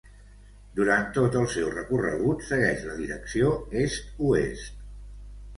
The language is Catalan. Durant tot el seu recorregut segueix la direcció est-oest.